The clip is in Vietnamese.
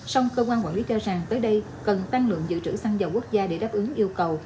song cơ quan quản lý cho rằng tới đây cần tăng lượng dự trữ xăng dầu quốc gia để đáp ứng yêu cầu